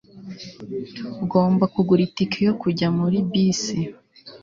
ugomba kugura itike yo kujya muri bisi